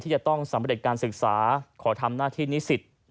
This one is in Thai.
จะต้องสำเร็จการศึกษาขอทำหน้าที่นิสิต